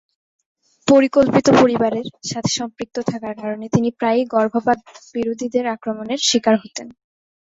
পরিকল্পিত পরিবারের সাথে সম্পৃক্ত থাকার কারণে তিনি প্রায়ই গর্ভপাত বিরোধীদের আক্রমনের শিকার হতেন।